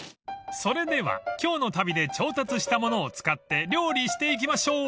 ［それでは今日の旅で調達したものを使って料理していきましょう］